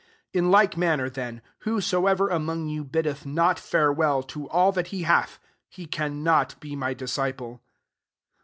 33 In like manner, then, "wliosoever among you biddeth twt farewell to all that he hath, he cannot be my disciple.